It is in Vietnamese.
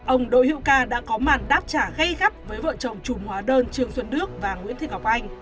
ông đỗ hữu ca đã có màn đáp trả gây gắt với vợ chồng trùm hóa đơn trương xuân đức và nguyễn thị ngọc anh